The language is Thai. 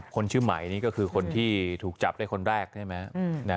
คนชื่อไหมนี่ก็คือคนที่ถูกจับได้คนแรกใช่ไหม